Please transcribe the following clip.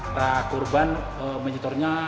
para korban menyetorkannya